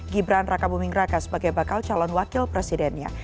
gibran raka bumingraka sebagai bakal calon wakil presidennya